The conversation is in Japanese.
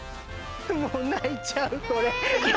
もうないちゃうこれ。